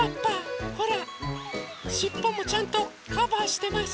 ほらしっぽもちゃんとカバーしてます。